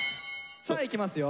さあいきますよ。